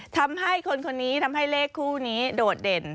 ทำให้คนคนนี้ทำให้เลขคู่นี้โดดเด่น